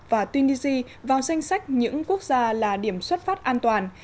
và tunisia vào danh sách những quốc gia là điểm xuất phát an toàn